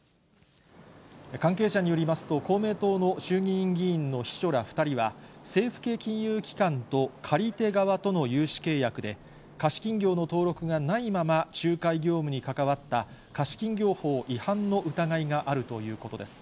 関係者によりますと、公明党の衆議院議員の秘書ら２人は、政府系金融機関と借り手側との融資契約で、貸金業の登録がないまま、仲介業務に関わった貸金業法違反の疑いがあるということです。